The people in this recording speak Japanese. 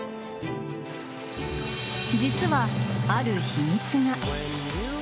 実は、ある秘密が。